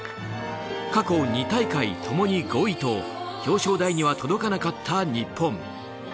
過去２大会共に５位と表彰台には届かなかった日本。